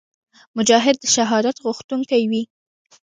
مجاهد د شهادت غوښتونکی وي.